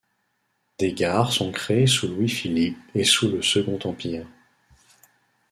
Des gares sont créées sous Louis-Philippe et sous le Second Empire.